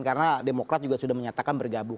karena demokrat juga sudah menyatakan bergabung